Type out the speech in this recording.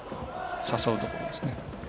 誘うところですね。